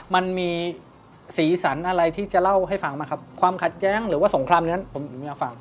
มันมีสีสันอะไรที่จะเล่าให้ฟังไหมครับความขัดแย้งหรือว่าสงครามนั้นผมอยากฟัง